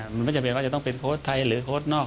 มันไม่จำเป็นว่าจะต้องเป็นโค้ชไทยหรือโค้ดนอก